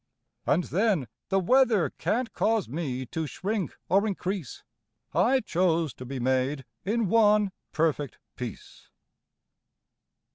And, then, The weather can't cause me to shrink or increase: I chose to be made in one perfect piece!